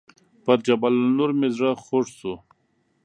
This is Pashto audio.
پر جبل النور مې زړه خوږ شو.